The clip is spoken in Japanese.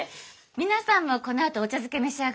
皆さんもこのあとお茶漬け召し上がるわよね？